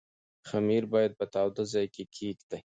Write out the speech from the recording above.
خمیر باید په تاوده ځای کې کېږدئ.